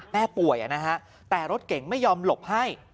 แม่ป่วยนะฮะแต่รถเก่งไม่ยอมหลบให้